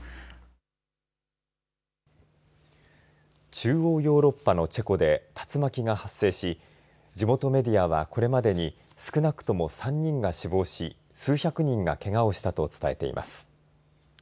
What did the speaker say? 中央ヨーロッパのチェコで竜巻が発生し地元メディアは、これまでに少なくとも３人が死亡し数百人がけがをしたと伝えています。